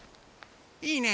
いいね